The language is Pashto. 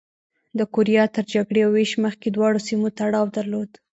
د کوریا تر جګړې او وېش مخکې دواړو سیمو تړاو درلود.